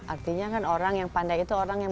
artinya kan orang yang pandai itu orang yang